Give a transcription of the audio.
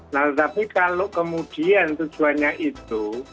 nah tetapi kalau kemudian tujuannya itu